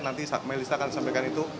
nanti melissa akan sampaikan itu